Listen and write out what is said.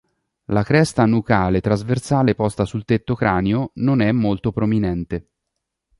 La cresta nucale trasversale posta sul tetto cranio non è molto prominente.